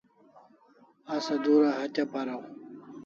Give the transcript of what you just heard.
Asa dura hatya paraw